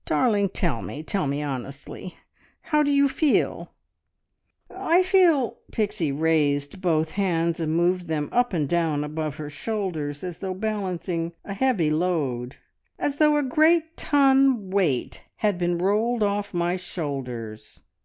... Darling, tell me tell me honestly how do you feel?" "I feel " Pixie raised both hands, and moved them up and down above her shoulders, as though balancing a heavy load "as though a great ton weight had been rolled off my shoulders.